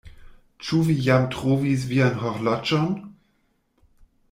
Ĉu vi jam trovis vian horloĝon?